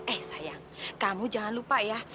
eh sayang kamu jangan lupa ya